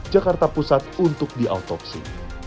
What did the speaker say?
jakarta pusat untuk diautopsi